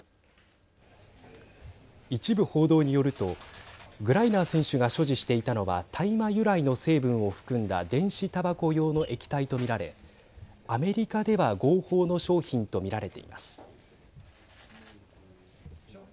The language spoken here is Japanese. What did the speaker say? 一部報道によるとグライナー選手が所持していたのは大麻由来の成分を含んだ電子たばこ用の液体と見られアメリカでは合法の商品と見られています。